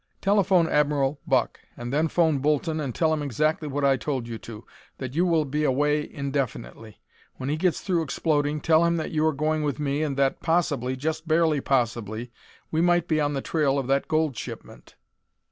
"Telephone Admiral Buck, and then phone Bolton and tell him exactly what I told you to: that you will be away indefinitely. When he gets through exploding, tell him that you are going with me and that possibly, just barely possibly, we might be on the trail of that gold shipment."